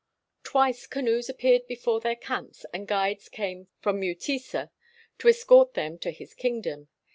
Twice canoes appeared before their camps and guides came from Mutesa to escort them to his kingdom.